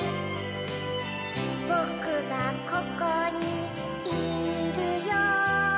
ぼくがここにいるよ